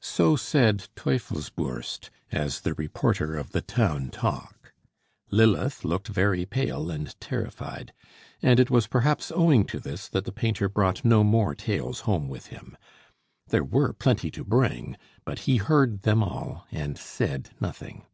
So said Teufelsbürst, as the reporter of the town talk. Lilith looked very pale and terrified; and it was perhaps owing to this that the painter brought no more tales home with him. There were plenty to bring, but he heard them all and said nothing.